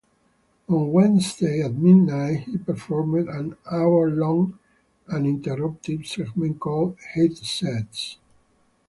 On Wednesday at midnight, he performed an hour-long, uninterrupted segment called Headsets.